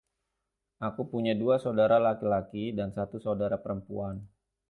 Aku punya dua saudara laki-laki dan satu saudara perempuan.